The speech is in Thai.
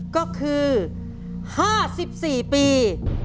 ก็คือ๕๔ปี